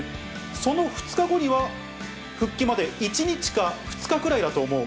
その２日後には、復帰まで１日か２日くらいだと思う。